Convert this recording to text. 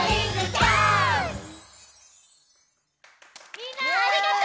みんなありがとう！